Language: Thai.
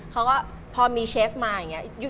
เขาก็พอมีเชฟมาอย่างนี้